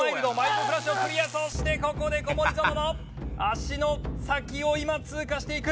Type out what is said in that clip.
そしてここで小森園の足の先を今通過していく。